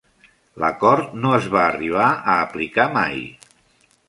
L'acord no es va arribar a aplicar mai.